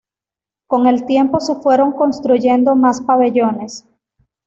Con el tiempo se fueron construyendo más pabellones.